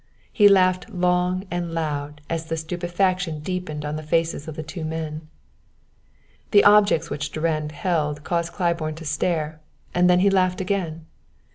He laughed long and loud as the stupefaction deepened on the faces of the two men. The objects which Durand held caused Claiborne to stare, and then he laughed again.